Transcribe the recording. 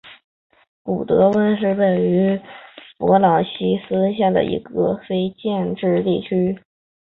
古得温是位于美国阿肯色州圣弗朗西斯县的一个非建制地区。